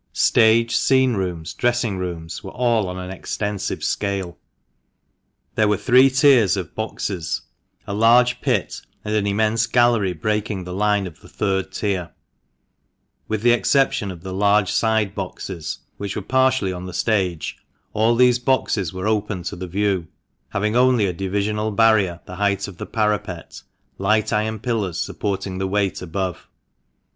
Stage, scene rooms, dressing rooms, were all on an extensive scale. * See Appendix. HENRY HUNT. Front an Engraving. THE MANCHESTER MAN. 215 There were three tiers of boxes, a large pit, and an immense gallery breaking the line of the third tier. With the exception of the large side boxes, which were partially on the stage, all these boxes were open to the view, having only a divisional barrier the height of the parapet, light iron pillars supporting the weight above.